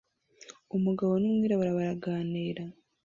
Umugabo numwirabura baraganira